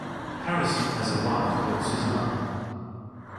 Harrison has a wife called Suzanne.